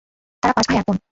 তারা পাঁচ ভাই এক বোন।